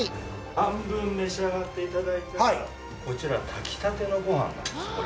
半分召し上がっていただいたらこちら、炊きたてのごはんなんです。